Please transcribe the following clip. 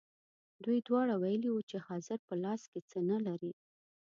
دوی دواړو ویلي وو چې حاضر په لاس کې څه نه لري.